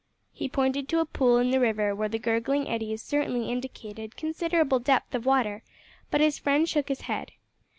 He pointed to a pool in the river where the gurgling eddies certainly indicated considerable depth of water, but his friend shook his head.